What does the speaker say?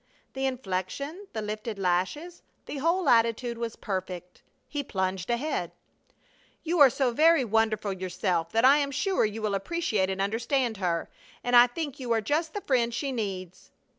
The inflection, the lifted lashes, the whole attitude, was perfect. He plunged ahead. "You are so very wonderful yourself that I am sure you will appreciate and understand her, and I think you are just the friend she needs."